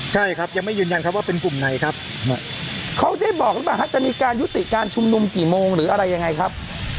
ใช่ครับยังไม่ยืนยันครับว่าเป็นกลุ่มไหนครับเขาได้บอกหรือเปล่าฮะจะมีการยุติการชุมนุมกี่โมงหรืออะไรยังไงครับ